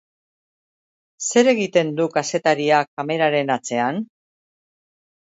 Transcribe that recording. Zer egiten du kazetariak kameraren atzean?